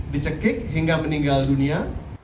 dicekik hingga meninggal dunia